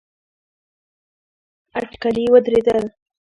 اټکلي ودرېدل.